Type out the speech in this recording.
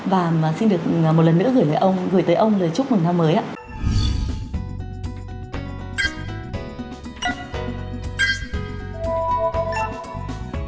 và xin được một lần nữa gửi tới ông lời chúc mừng năm mới ạ